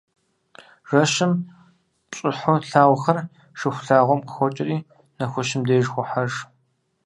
Жэщым пщӏыхьу тлъагъухэр Шыхулъагъуэм къыхокӏри, нэхущым деж хохьэж.